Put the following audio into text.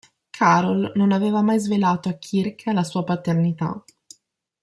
Carol non aveva mai svelato a Kirk la sua paternità.